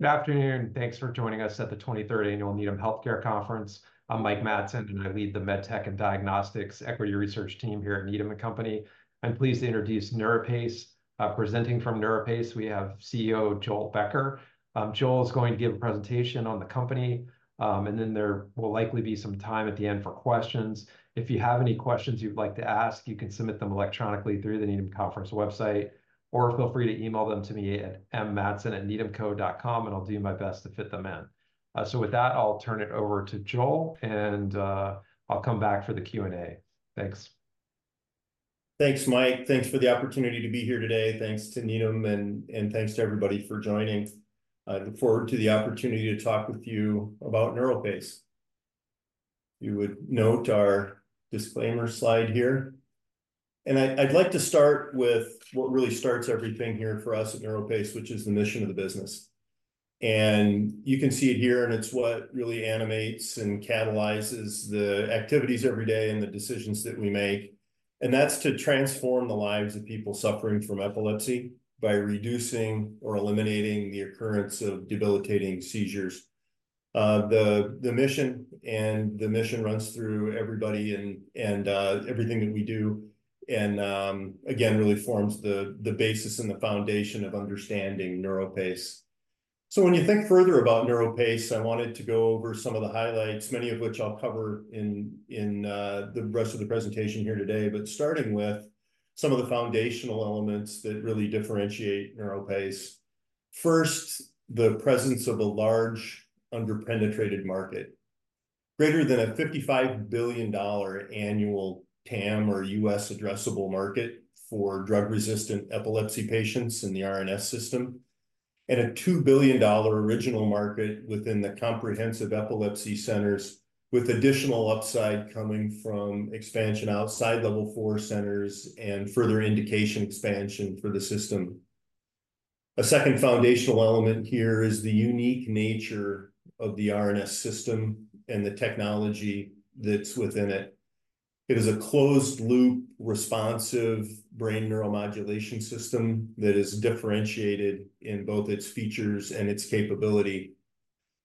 Good afternoon, and thanks for joining us at the 23rd Annual Needham Healthcare Conference. I'm Mike Matson, and I lead the MedTech and Diagnostics Equity Research Team here at Needham & Company. I'm pleased to introduce NeuroPace. Presenting from NeuroPace, we have CEO Joel Becker. Joel is going to give a presentation on the company, and then there will likely be some time at the end for questions. If you have any questions you'd like to ask, you can submit them electronically through the Needham Conference website, or feel free to email them to me at mmatson@needhamco.com, and I'll do my best to fit them in. So with that, I'll turn it over to Joel, and I'll come back for the Q&A. Thanks. Thanks, Mike. Thanks for the opportunity to be here today. Thanks to Needham, and thanks to everybody for joining. I look forward to the opportunity to talk with you about NeuroPace. If you would note our disclaimer slide here. I'd like to start with what really starts everything here for us at NeuroPace, which is the mission of the business. You can see it here, and it's what really animates and catalyzes the activities every day and the decisions that we make. That's to transform the lives of people suffering from epilepsy by reducing or eliminating the occurrence of debilitating seizures. The mission runs through everybody and everything that we do and, again, really forms the basis and the foundation of understanding NeuroPace. When you think further about NeuroPace, I wanted to go over some of the highlights, many of which I'll cover in the rest of the presentation here today, but starting with some of the foundational elements that really differentiate NeuroPace. First, the presence of a large under-penetrated market, greater than a $55 billion annual TAM or U.S. Addressable Market for drug-resistant epilepsy patients in the RNS System, and a $2 billion original market within the Comprehensive Epilepsy Centers with additional upside coming from expansion outside Level four centers and further indication expansion for the system. A second foundational element here is the unique nature of the RNS System and the technology that's within it. It is a closed-loop, responsive brain neuromodulation system that is differentiated in both its features and its capability.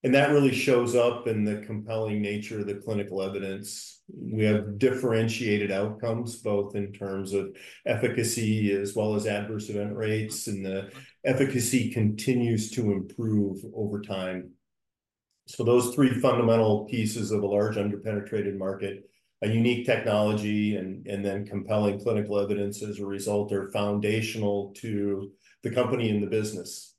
And that really shows up in the compelling nature of the clinical evidence. We have differentiated outcomes, both in terms of efficacy as well as adverse event rates, and the efficacy continues to improve over time. So those three fundamental pieces of a large under-penetrated market, a unique technology, and then compelling clinical evidence as a result are foundational to the company and the business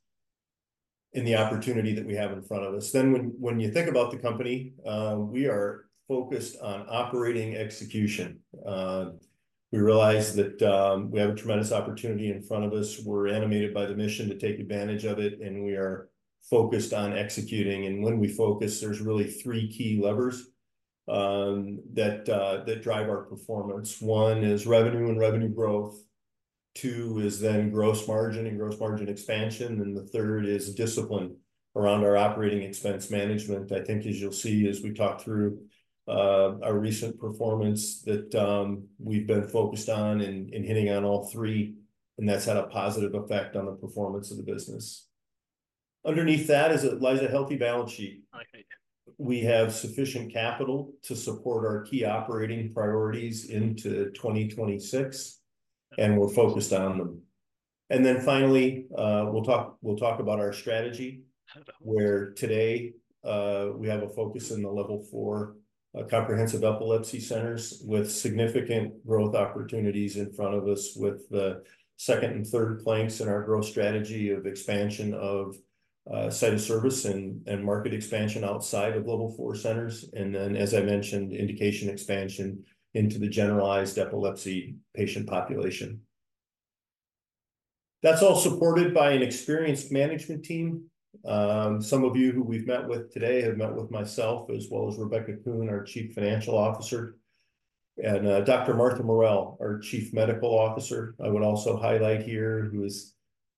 and the opportunity that we have in front of us. Then when you think about the company, we are focused on operating execution. We realize that we have a tremendous opportunity in front of us. We're animated by the mission to take advantage of it, and we are focused on executing. And when we focus, there's really three key levers that drive our performance. One is revenue and revenue growth. Two is then gross margin and gross margin expansion. And the third is discipline around our operating expense management. I think, as you'll see as we talk through our recent performance, that we've been focused on and hitting on all three, and that's had a positive effect on the performance of the business. Underneath that lies a healthy balance sheet. We have sufficient capital to support our key operating priorities into 2026, and we're focused on them. Then finally, we'll talk about our strategy, where today we have a focus in the Level 4 Comprehensive Epilepsy Centers with significant growth opportunities in front of us with the second and third planks in our growth strategy of expansion of site of service and market expansion outside of Level 4 centers. Then, as I mentioned, indication expansion into the generalized epilepsy patient population. That's all supported by an experienced management team. Some of you who we've met with today have met with myself as well as Rebecca Kuhn, our Chief Financial Officer, and Dr. Martha Morrell, our Chief Medical Officer. I would also highlight here,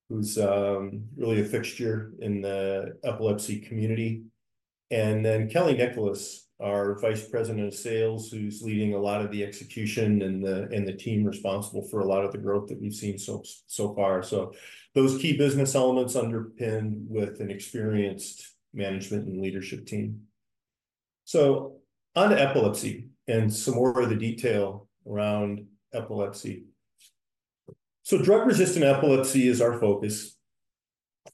who's really a fixture in the epilepsy community. Then Kelly Nicholas, our Vice President of Sales, who's leading a lot of the execution and the team responsible for a lot of the growth that we've seen so far. Those key business elements underpin with an experienced management and leadership team. On to epilepsy and some more of the detail around epilepsy. Drug-resistant epilepsy is our focus,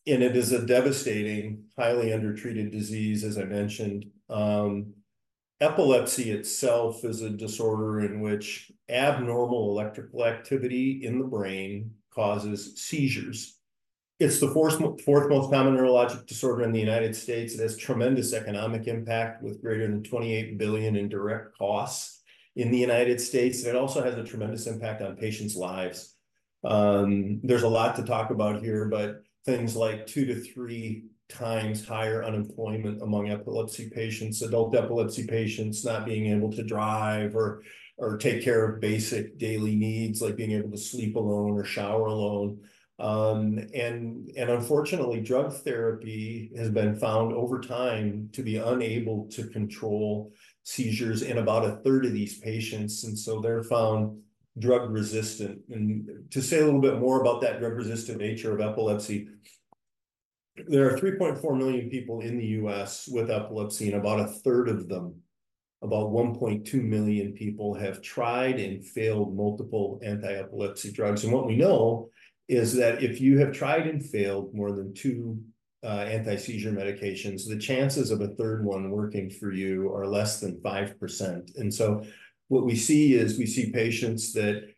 and it is a devastating, highly under-treated disease, as I mentioned. Epilepsy itself is a disorder in which abnormal electrical activity in the brain causes seizures. It's the fourth most common neurologic disorder in the United States. It has tremendous economic impact with greater than $28 billion in direct costs in the United States. It also has a tremendous impact on patients' lives. There's a lot to talk about here, but things like 2-3 times higher unemployment among epilepsy patients, adult epilepsy patients not being able to drive or take care of basic daily needs like being able to sleep alone or shower alone. Unfortunately, drug therapy has been found over time to be unable to control seizures in about a third of these patients, and so they're found drug-resistant. To say a little bit more about that drug-resistant nature of epilepsy, there are 3.4 million people in the U.S. with epilepsy, and about a third of them, about 1.2 million people, have tried and failed multiple anti-epilepsy drugs. What we know is that if you have tried and failed more than two anti-seizure medications, the chances of a third one working for you are less than 5%. And so what we see is we see patients that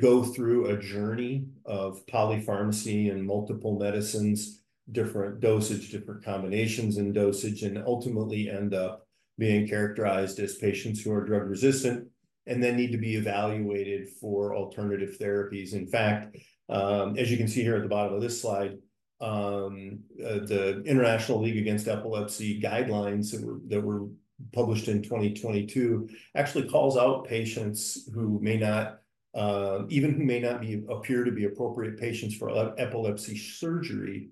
go through a journey of polypharmacy and multiple medicines, different dosage, different combinations in dosage, and ultimately end up being characterized as patients who are drug-resistant and then need to be evaluated for alternative therapies. In fact, as you can see here at the bottom of this slide, the International League Against Epilepsy guidelines that were published in 2022 actually calls out patients who may not appear to be appropriate patients for epilepsy surgery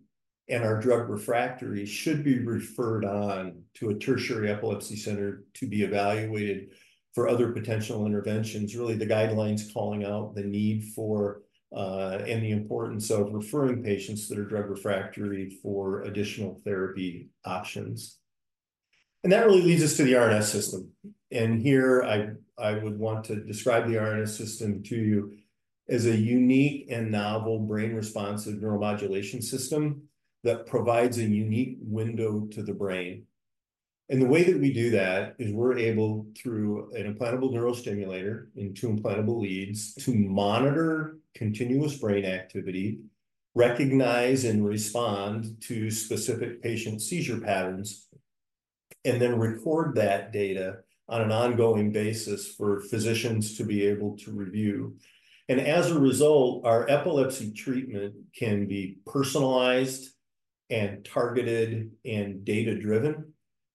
and are drug refractory should be referred on to a tertiary epilepsy center to be evaluated for other potential interventions. Really, the guidelines calling out the need for and the importance of referring patients that are drug refractory for additional therapy options. That really leads us to the RNS System. Here I would want to describe the RNS System to you as a unique and novel brain-responsive neuromodulation system that provides a unique window to the brain. The way that we do that is we're able, through an implantable neurostimulator in two implantable leads, to monitor continuous brain activity, recognize and respond to specific patient seizure patterns, and then record that data on an ongoing basis for physicians to be able to review. As a result, our epilepsy treatment can be personalized and targeted and data-driven.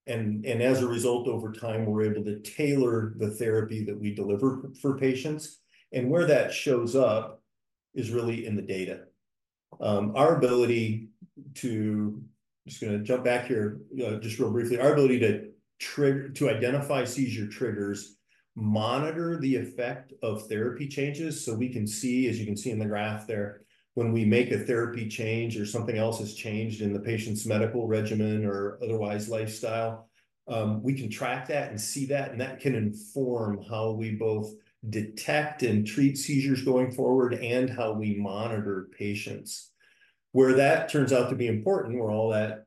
As a result, over time, we're able to tailor the therapy that we deliver for patients. Where that shows up is really in the data. I'm just going to jump back here just real briefly. Our ability to identify seizure triggers, monitor the effect of therapy changes so we can see, as you can see in the graph there, when we make a therapy change or something else has changed in the patient's medical regimen or otherwise lifestyle, we can track that and see that, and that can inform how we both detect and treat seizures going forward and how we monitor patients. Where that turns out to be important, where all that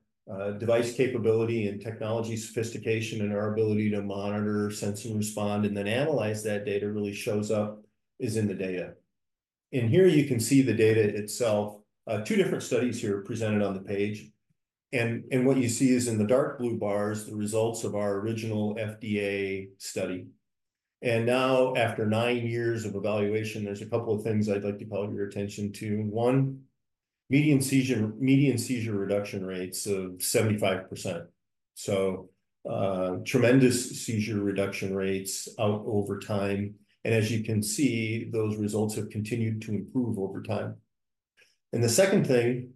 device capability and technology sophistication and our ability to monitor, sense, and respond, and then analyze that data really shows up is in the data. And here you can see the data itself. Two different studies here presented on the page. And what you see is in the dark blue bars, the results of our original FDA study. Now, after nine years of evaluation, there's a couple of things I'd like to call your attention to. One, median seizure reduction rates of 75%. So, tremendous seizure reduction rates out over time. And as you can see, those results have continued to improve over time. And the second thing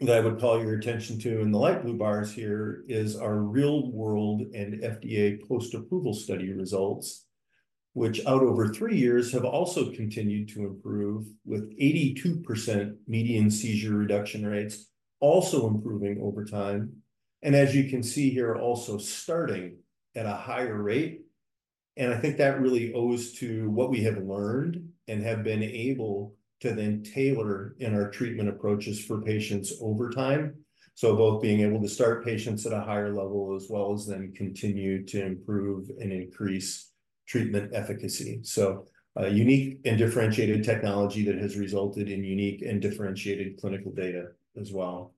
that I would call your attention to in the light blue bars here is our real-world and FDA post-approval study results, which out over three years have also continued to improve with 82% median seizure reduction rates also improving over time. And as you can see here, also starting at a higher rate. I think that really owes to what we have learned and have been able to then tailor in our treatment approaches for patients over time, so both being able to start patients at a higher level as well as then continue to improve and increase treatment efficacy. Unique and differentiated technology that has resulted in unique and differentiated clinical data as well.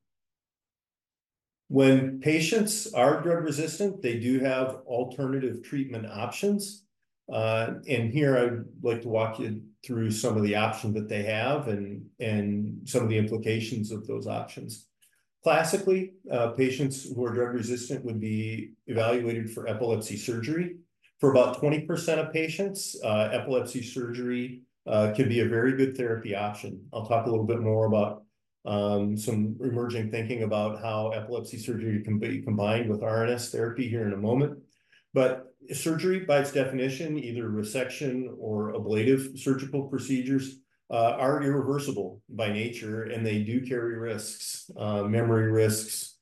When patients are drug-resistant, they do have alternative treatment options. Here I'd like to walk you through some of the options that they have and some of the implications of those options. Classically, patients who are drug-resistant would be evaluated for epilepsy surgery. For about 20% of patients, epilepsy surgery can be a very good therapy option. I'll talk a little bit more about some emerging thinking about how epilepsy surgery can be combined with RNS therapy here in a moment. But surgery, by its definition, either resection or ablative surgical procedures, are irreversible by nature, and they do carry risks. Memory risks,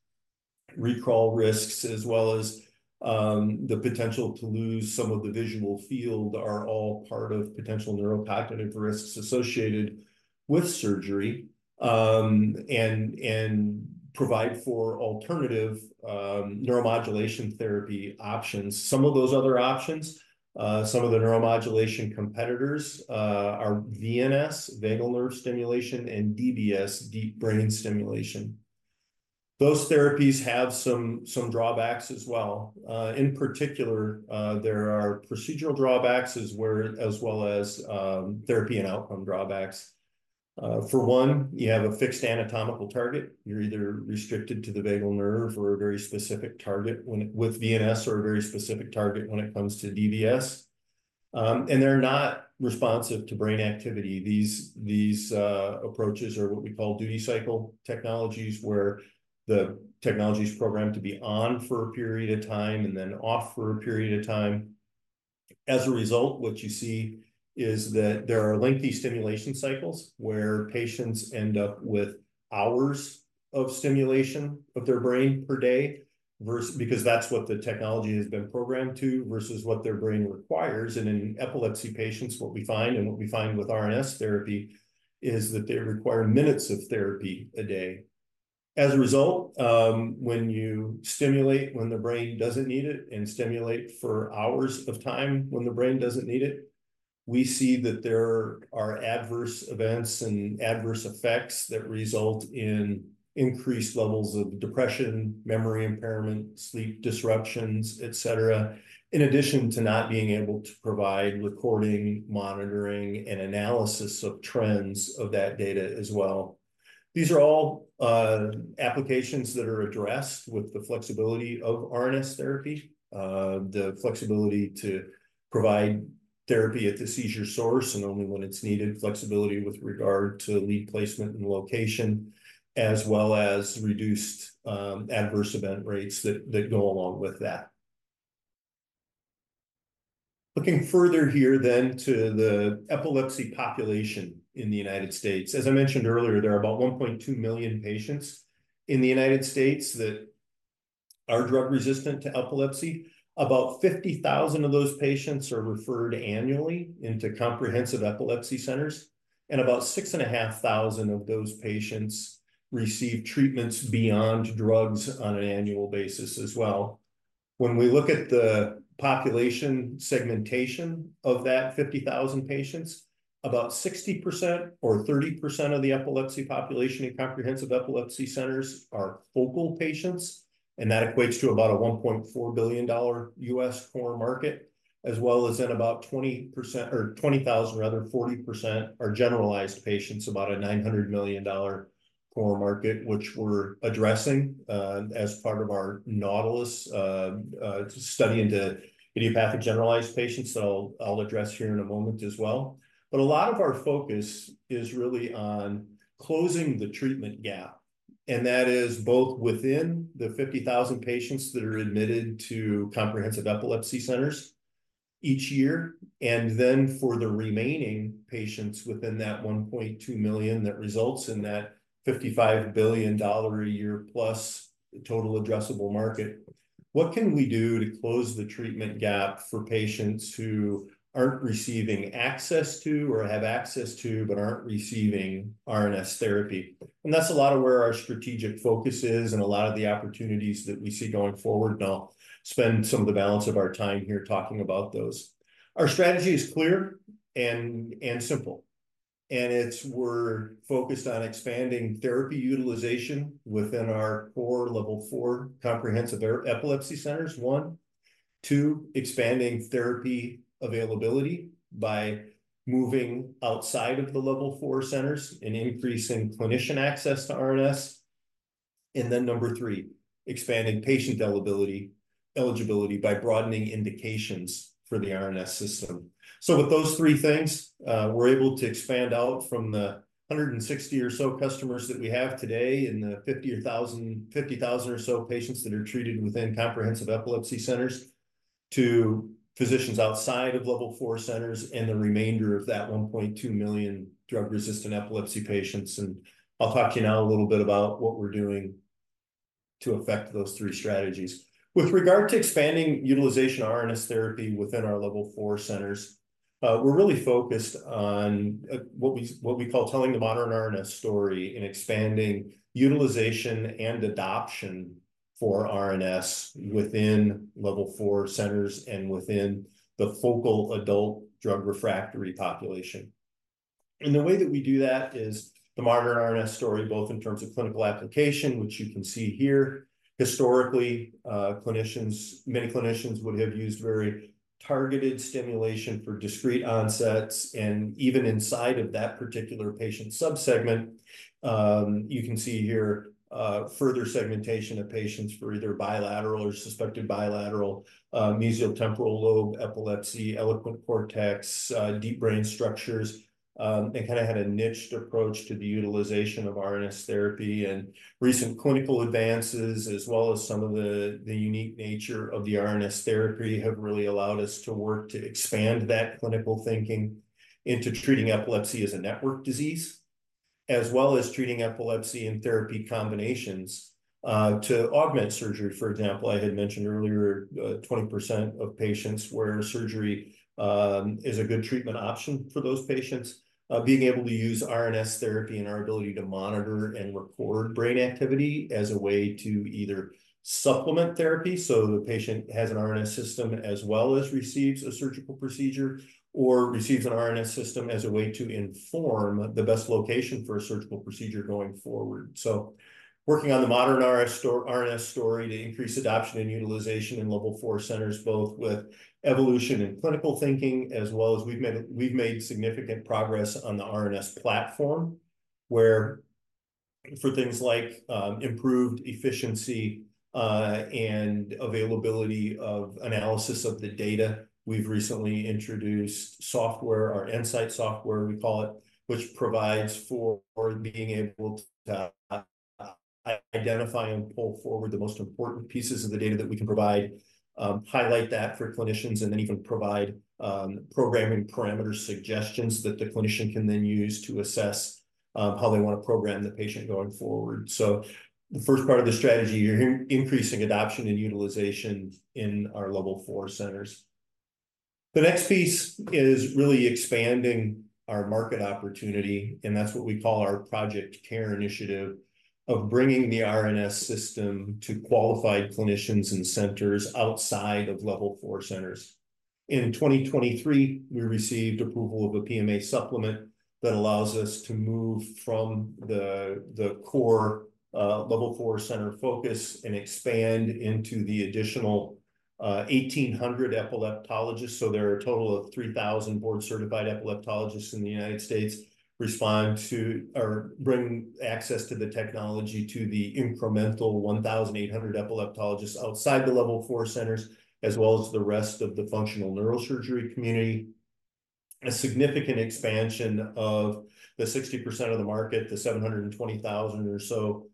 recall risks, as well as the potential to lose some of the visual field are all part of potential neurocognitive risks associated with surgery and provide for alternative neuromodulation therapy options. Some of those other options, some of the neuromodulation competitors, are VNS, vagal nerve stimulation, and DBS, deep brain stimulation. Those therapies have some drawbacks as well. In particular, there are procedural drawbacks as well as therapy and outcome drawbacks. For one, you have a fixed anatomical target. You're either restricted to the vagal nerve or a very specific target with VNS or a very specific target when it comes to DBS. And they're not responsive to brain activity. These approaches are what we call duty cycle technologies, where the technology is programmed to be on for a period of time and then off for a period of time. As a result, what you see is that there are lengthy stimulation cycles where patients end up with hours of stimulation of their brain per day because that's what the technology has been programmed to versus what their brain requires. And in epilepsy patients, what we find and what we find with RNS therapy is that they require minutes of therapy a day. As a result, when you stimulate when the brain doesn't need it and stimulate for hours of time when the brain doesn't need it, we see that there are adverse events and adverse effects that result in increased levels of depression, memory impairment, sleep disruptions, etc., in addition to not being able to provide recording, monitoring, and analysis of trends of that data as well. These are all applications that are addressed with the flexibility of RNS therapy, the flexibility to provide therapy at the seizure source and only when it's needed, flexibility with regard to lead placement and location, as well as reduced adverse event rates that go along with that. Looking further here then to the epilepsy population in the United States. As I mentioned earlier, there are about 1.2 million patients in the United States that are drug-resistant epilepsy. About 50,000 of those patients are referred annually into Comprehensive Epilepsy Centers, and about 6,500 of those patients receive treatments beyond drugs on an annual basis as well. When we look at the population segmentation of that 50,000 patients, about 60% or 30% of the epilepsy population in Comprehensive Epilepsy Centers are focal patients, and that equates to about a $1.4 billion U.S. core market, as well as then about 20% or 20,000, rather, 40% are generalized patients, about a $900 million core market, which we're addressing as part of our Nautilus study into idiopathic generalized patients that I'll address here in a moment as well. But a lot of our focus is really on closing the treatment gap, and that is both within the 50,000 patients that are admitted to comprehensive epilepsy centers each year and then for the remaining patients within that 1.2 million that results in that $55 billion a year-plus total addressable market. What can we do to close the treatment gap for patients who aren't receiving access to or have access to but aren't receiving RNS therapy? That's a lot of where our strategic focus is, and a lot of the opportunities that we see going forward and I'll spend some of the balance of our time here talking about those. Our strategy is clear and simple. We're focused on expanding therapy utilization within our core level four comprehensive epilepsy centers, one. two, expanding therapy availability by moving outside of the level four centers and increasing clinician access to RNS. And then number three, expanding patient eligibility by broadening indications for the RNS system. So with those three things, we're able to expand out from the 160 or so customers that we have today and the 50,000 or so patients that are treated within comprehensive epilepsy centers to physicians outside of level four centers and the remainder of that 1.2 million drug-resistant epilepsy patients. And I'll talk to you now a little bit about what we're doing to affect those three strategies. With regard to expanding utilization of RNS therapy within our level four centers, we're really focused on what we call telling the modern RNS story and expanding utilization and adoption for RNS within level four centers and within the focal adult drug refractory population. The way that we do that is the modern RNS story, both in terms of clinical application, which you can see here. Historically, many clinicians would have used very targeted stimulation for discrete onsets. And even inside of that particular patient subsegment, you can see here further segmentation of patients for either bilateral or suspected bilateral mesial temporal lobe epilepsy, eloquent cortex, deep brain structures, and kind of had a niche approach to the utilization of RNS therapy. And recent clinical advances, as well as some of the unique nature of the RNS therapy, have really allowed us to work to expand that clinical thinking into treating epilepsy as a network disease, as well as treating epilepsy in therapy combinations to augment surgery. For example, I had mentioned earlier 20% of patients where surgery is a good treatment option for those patients, being able to use RNS therapy and our ability to monitor and record brain activity as a way to either supplement therapy so the patient has an RNS system as well as receives a surgical procedure or receives an RNS system as a way to inform the best location for a surgical procedure going forward. So working on the modern RNS story to increase adoption and utilization in Level four centers, both with evolution in clinical thinking as well as we've made significant progress on the RNS platform where for things like improved efficiency and availability of analysis of the data, we've recently introduced software, our nSight software we call it, which provides for being able to identify and pull forward the most important pieces of the data that we can provide, highlight that for clinicians, and then even provide programming parameter suggestions that the clinician can then use to assess how they want to program the patient going forward. So the first part of the strategy, you're increasing adoption and utilization in our Level four centers. The next piece is really expanding our market opportunity, and that's what we call our Project CARE initiative of bringing the RNS System to qualified clinicians and centers outside of Level four centers. In 2023, we received approval of a PMA Supplement that allows us to move from the core Level four center focus and expand into the additional 1,800 epileptologists. So there are a total of 3,000 board-certified epileptologists in the United States respond to or bring access to the technology to the incremental 1,800 epileptologists outside the Level four centers, as well as the rest of the functional neurosurgery community. A significant expansion of the 60% of the market, the 720,000 or so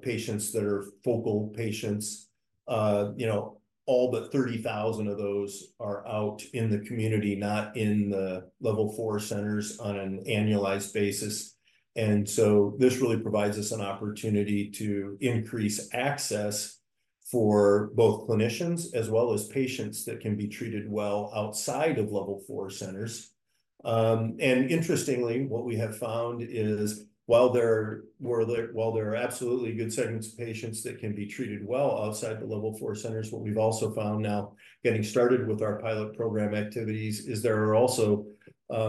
patients that are focal patients, all but 30,000 of those are out in the community, not in the Level four centers on an annualized basis. And so this really provides us an opportunity to increase access for both clinicians as well as patients that can be treated well outside of Level four centers. And interestingly, what we have found is while there were absolutely good segments of patients that can be treated well outside the Level four centers, what we've also found now getting started with our pilot program activities is there are also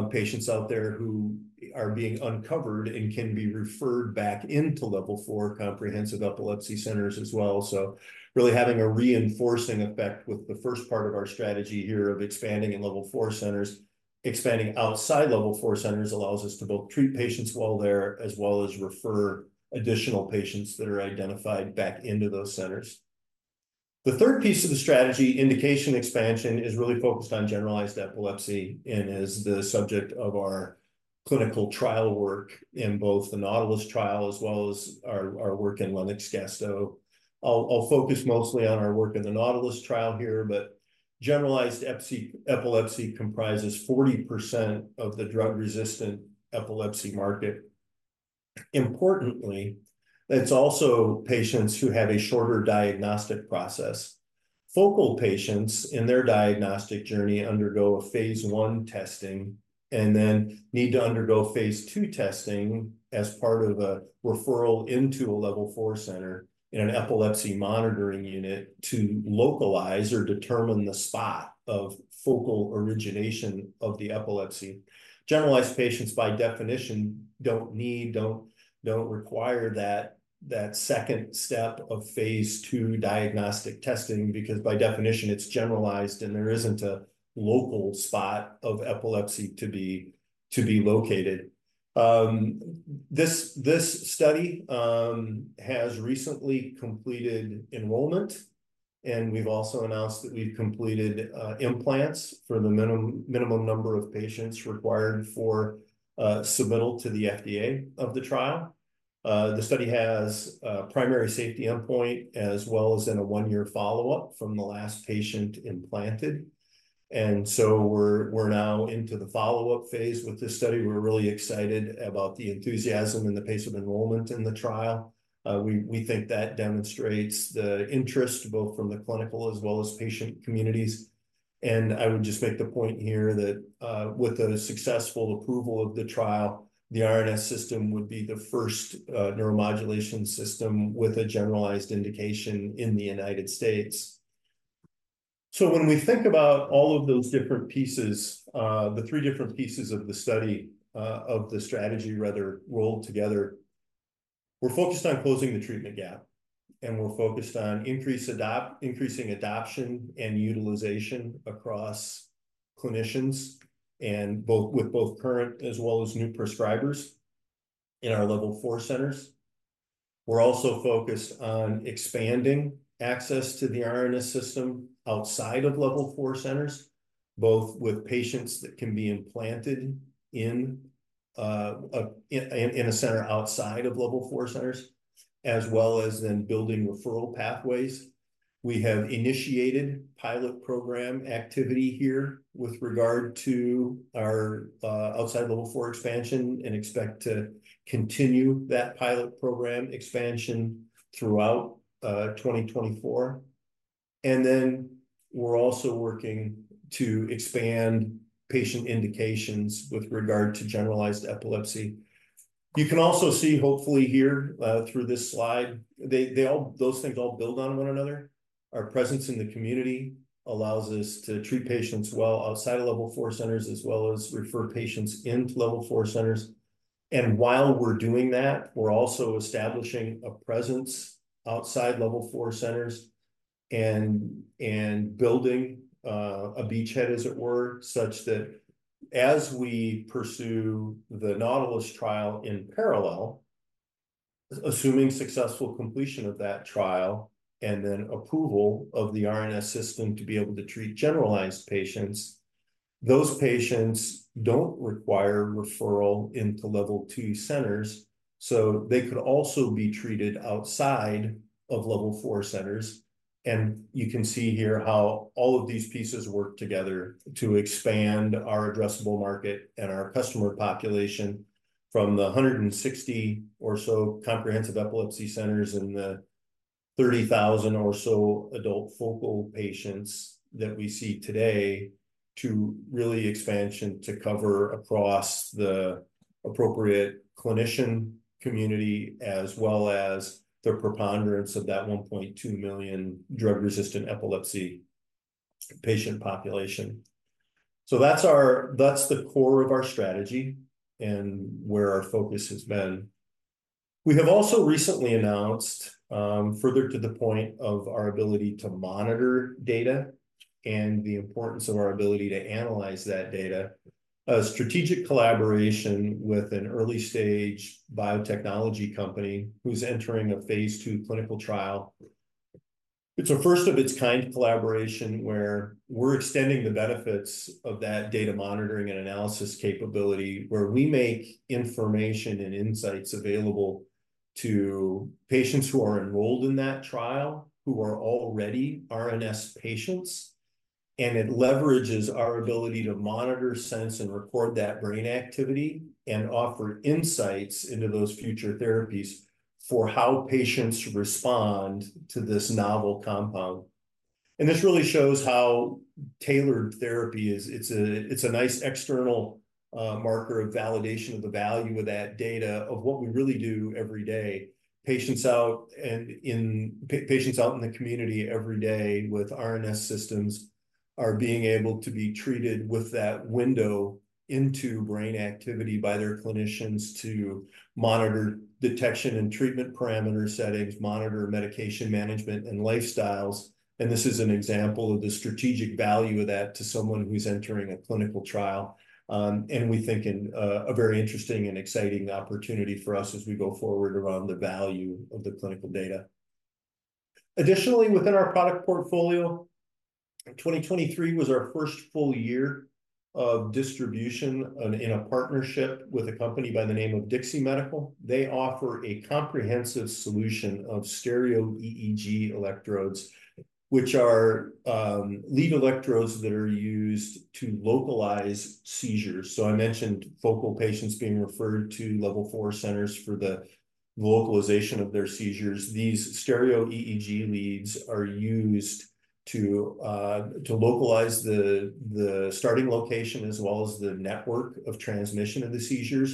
patients out there who are being uncovered and can be referred back into Level four comprehensive epilepsy centers as well. So really having a reinforcing effect with the first part of our strategy here of expanding in Level four centers, expanding outside Level four centers allows us to both treat patients while there as well as refer additional patients that are identified back into those centers. The third piece of the strategy, indication expansion, is really focused on generalized epilepsy and is the subject of our clinical trial work in both the Nautilus Trial as well as our work in Lennox-Gastaut. I'll focus mostly on our work in the Nautilus Trial here, but generalized epilepsy comprises 40% of the drug-resistant epilepsy market. Importantly, it's also patients who have a shorter diagnostic process. Focal patients, in their diagnostic journey, undergo a Phase I testing and then need to undergo phase two testing as part of a referral into a Level four center in an epilepsy monitoring unit to localize or determine the spot of focal origination of the epilepsy. Generalized patients, by definition, don't need, don't require that second step of phase two diagnostic testing because, by definition, it's generalized, and there isn't a local spot of epilepsy to be located. This study has recently completed enrollment, and we've also announced that we've completed implants for the minimum number of patients required for submittal to the FDA of the trial. The study has primary safety endpoint as well as then a one-year follow-up from the last patient implanted. So we're now into the follow-up phase with this study. We're really excited about the enthusiasm and the pace of enrollment in the trial. We think that demonstrates the interest both from the clinical as well as patient communities. I would just make the point here that with the successful approval of the trial, the RNS System would be the first neuromodulation system with a generalized indication in the United States. So when we think about all of those different pieces, the three different pieces of the study, of the strategy, rather, rolled together, we're focused on closing the treatment gap, and we're focused on increasing adoption and utilization across clinicians with both current as well as new prescribers in our Level four centers. We're also focused on expanding access to the RNS System outside of Level four centers, both with patients that can be implanted in a center outside of Level four centers as well as then building referral pathways. We have initiated pilot program activity here with regard to our outside Level four expansion and expect to continue that pilot program expansion throughout 2024. And then we're also working to expand patient indications with regard to Generalized Epilepsy. You can also see, hopefully, here through this slide, those things all build on one another. Our presence in the community allows us to treat patients well outside of Level four centers as well as refer patients into Level four centers. And while we're doing that, we're also establishing a presence outside Level four centers and building a beachhead, as it were, such that as we pursue the Nautilus trial in parallel, assuming successful completion of that trial and then approval of the RNS System to be able to treat generalized patients, those patients don't require referral into Level two centers. So they could also be treated outside of Level four centers. You can see here how all of these pieces work together to expand our addressable market and our customer population from the 160 or so comprehensive epilepsy centers and the 30,000 or so adult focal patients that we see today to really expansion to cover across the appropriate clinician community as well as the preponderance of that 1.2 million drug-resistant epilepsy patient population. That's the core of our strategy and where our focus has been. We have also recently announced, further to the point of our ability to monitor data and the importance of our ability to analyze that data, a strategic collaboration with an early-stage biotechnology company who's entering a Phase II clinical trial. It's a first of its kind collaboration where we're extending the benefits of that data monitoring and analysis capability, where we make information and insights available to patients who are enrolled in that trial who are already RNS patients. It leverages our ability to monitor, sense, and record that brain activity and offer insights into those future therapies for how patients respond to this novel compound. This really shows how tailored therapy is. It's a nice external marker of validation of the value of that data of what we really do every day. Patients out in the community every day with RNS systems are being able to be treated with that window into brain activity by their clinicians to monitor detection and treatment parameter settings, monitor medication management, and lifestyles. This is an example of the strategic value of that to someone who's entering a clinical trial. We think a very interesting and exciting opportunity for us as we go forward around the value of the clinical data. Additionally, within our product portfolio, 2023 was our first full year of distribution in a partnership with a company by the name of Dixi Medical. They offer a comprehensive solution of stereo EEG electrodes, which are lead electrodes that are used to localize seizures. So I mentioned focal patients being referred to level four centers for the localization of their seizures. These stereo EEG leads are used to localize the starting location as well as the network of transmission of the seizures.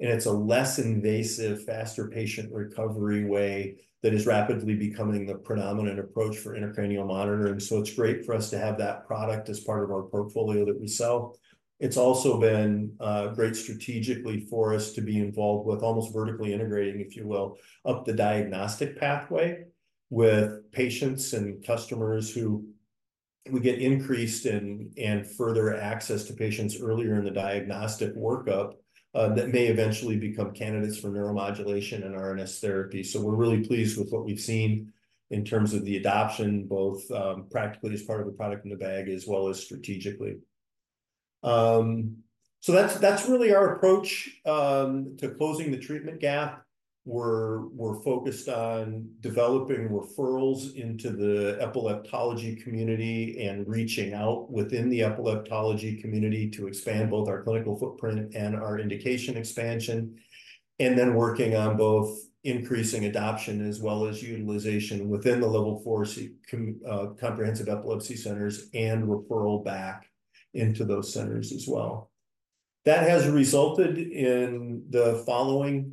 And it's a less invasive, faster patient recovery way that is rapidly becoming the predominant approach for intracranial monitoring. So it's great for us to have that product as part of our portfolio that we sell. It's also been great strategically for us to be involved with almost vertically integrating, if you will, up the diagnostic pathway with patients and customers who we get increased in further access to patients earlier in the diagnostic workup that may eventually become candidates for neuromodulation and RNS therapy. So we're really pleased with what we've seen in terms of the adoption, both practically as part of the product in the bag as well as strategically. So that's really our approach to closing the treatment gap. We're focused on developing referrals into the epileptology community and reaching out within the epileptology community to expand both our clinical footprint and our indication expansion, and then working on both increasing adoption as well as utilization within the Level four comprehensive epilepsy centers and referral back into those centers as well. That has resulted in the following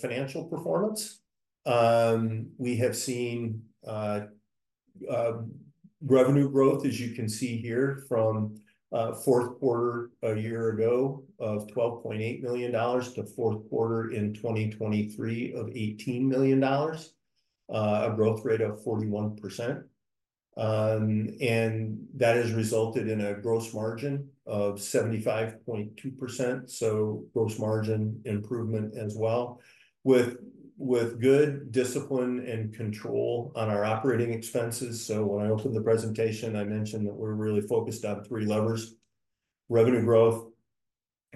financial performance. We have seen revenue growth, as you can see here, from fourth quarter a year ago of $12.8 million to fourth quarter in 2023 of $18 million, a growth rate of 41%. And that has resulted in a gross margin of 75.2%, so gross margin improvement as well with good discipline and control on our operating expenses. So when I opened the presentation, I mentioned that we're really focused on three levers: revenue growth,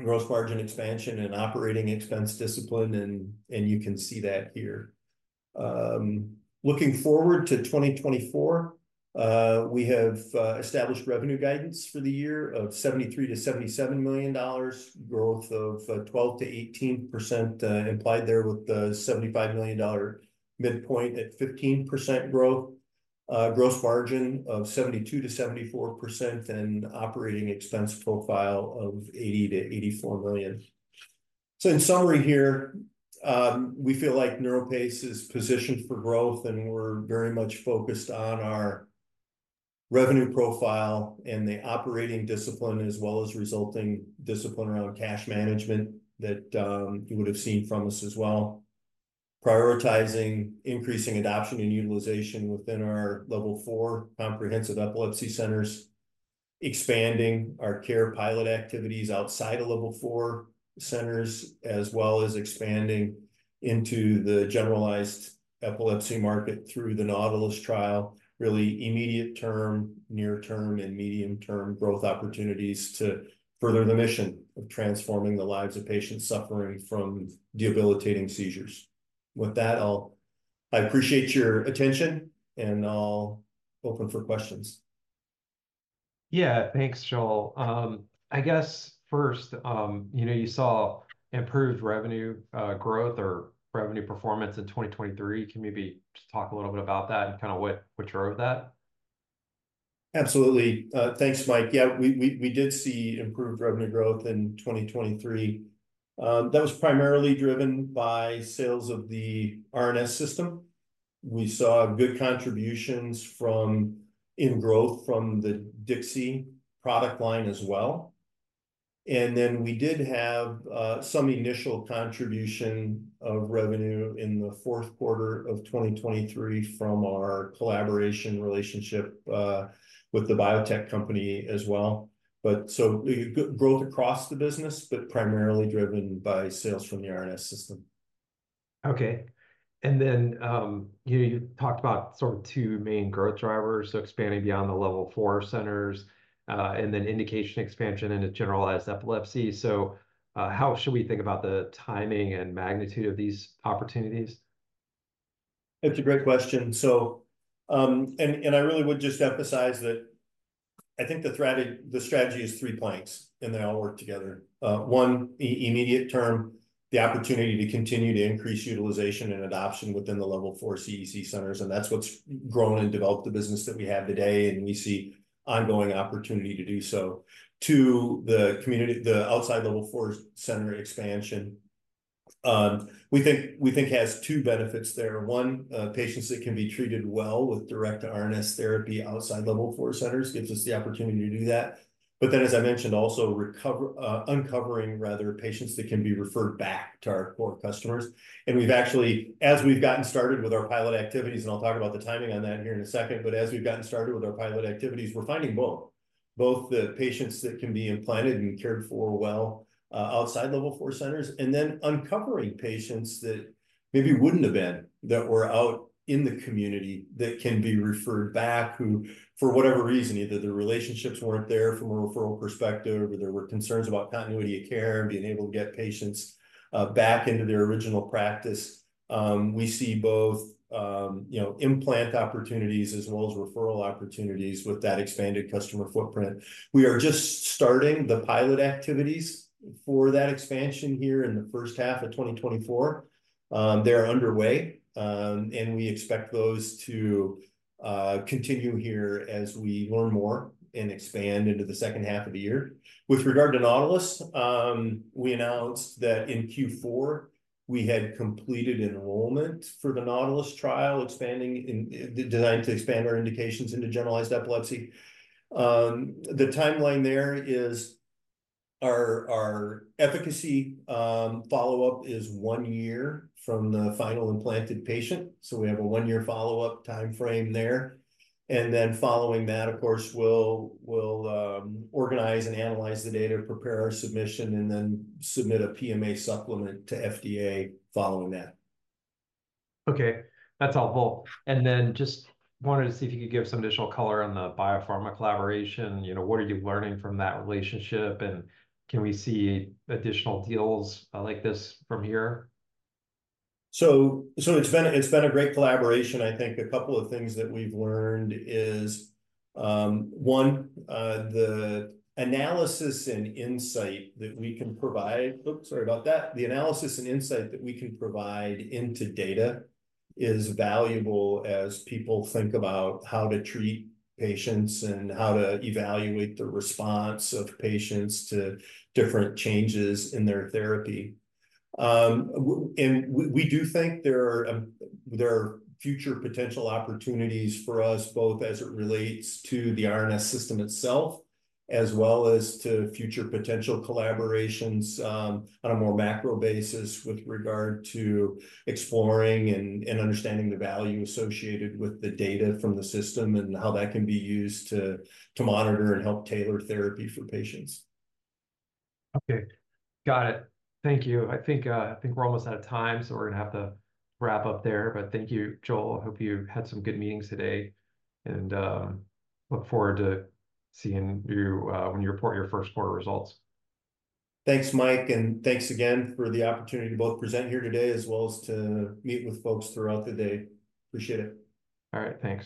gross margin expansion, and operating expense discipline. And you can see that here. Looking forward to 2024, we have established revenue guidance for the year of $73-$77 million, growth of 12%-18% implied there with the $75 million midpoint at 15% growth, gross margin of 72%-74%, and operating expense profile of $80-$84 million. So in summary here, we feel like NeuroPace is positioned for growth, and we're very much focused on our revenue profile and the operating discipline as well as resulting discipline around cash management that you would have seen from us as well, prioritizing increasing adoption and utilization within our Level Four Comprehensive Epilepsy Centers, expanding our care pilot activities outside of Level Four centers, as well as expanding into the generalized epilepsy market through the Nautilus Trial, really immediate term, near term, and medium term growth opportunities to further the mission of transforming the lives of patients suffering from debilitating seizures. With that, I appreciate your attention, and I'll open for questions. Yeah. Thanks, Joel. I guess first, you saw improved revenue growth or revenue performance in 2023. Can you maybe just talk a little bit about that and kind of what drove that? Absolutely. Thanks, Mike. Yeah, we did see improved revenue growth in 2023. That was primarily driven by sales of the RNS System. We saw good contributions in growth from the DIXI product line as well. And then we did have some initial contribution of revenue in the fourth quarter of 2023 from our collaboration relationship with the biotech company as well. So growth across the business, but primarily driven by sales from the RNS System. Okay. Then you talked about sort of two main growth drivers, so expanding beyond the Level 4 centers and then indication expansion into generalized epilepsy. How should we think about the timing and magnitude of these opportunities? That's a great question. I really would just emphasize that I think the strategy is three planks, and they all work together. One, immediate term, the opportunity to continue to increase utilization and adoption within the Level 4 CEC centers. That's what's grown and developed the business that we have today, and we see ongoing opportunity to do so. Two, the outside Level 4 center expansion, we think has two benefits there. One, patients that can be treated well with direct RNS therapy outside Level 4 centers gives us the opportunity to do that. But then, as I mentioned, also uncovering, rather, patients that can be referred back to our core customers. As we've gotten started with our pilot activities, and I'll talk about the timing on that here in a second, but as we've gotten started with our pilot activities, we're finding both, both the patients that can be implanted and cared for well outside level four centers and then uncovering patients that maybe wouldn't have been that were out in the community that can be referred back who, for whatever reason, either their relationships weren't there from a referral perspective or there were concerns about continuity of care and being able to get patients back into their original practice. We see both implant opportunities as well as referral opportunities with that expanded customer footprint. We are just starting the pilot activities for that expansion here in the first half of 2024. They're underway, and we expect those to continue here as we learn more and expand into the second half of the year. With regard to Nautilus, we announced that in Q4, we had completed enrollment for the Nautilus trial designed to expand our indications into generalized epilepsy. The timeline there is our efficacy follow-up is one year from the final implanted patient. So we have a one-year follow-up timeframe there. And then following that, of course, we'll organize and analyze the data, prepare our submission, and then submit a PMA supplement to FDA following that. Okay. That's helpful. And then just wanted to see if you could give some additional color on the biopharma collaboration. What are you learning from that relationship? And can we see additional deals like this from here? So it's been a great collaboration. I think a couple of things that we've learned is, one, the analysis and insight that we can provide into data is valuable as people think about how to treat patients and how to evaluate the response of patients to different changes in their therapy. And we do think there are future potential opportunities for us, both as it relates to the RNS System itself as well as to future potential collaborations on a more macro basis with regard to exploring and understanding the value associated with the data from the system and how that can be used to monitor and help tailor therapy for patients. Okay. Got it. Thank you. I think we're almost out of time, so we're going to have to wrap up there. But thank you, Joel. I hope you had some good meetings today and look forward to seeing you when you report your first quarter results. Thanks, Mike. Thanks again for the opportunity to both present here today as well as to meet with folks throughout the day. Appreciate it. All right. Thanks.